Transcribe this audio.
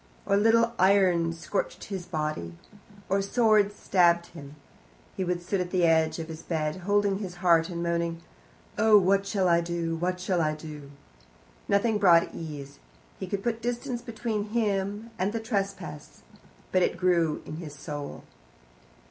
Or little irons scorched his body. Or a sword stabbed him. He would sit at the edge of his bed, holding his heart and moaning, "Oh what SHALL I do, whatever SHALL I do?" Nothing brought ease. He could put distance between him and the trespass, but it grew in his soul.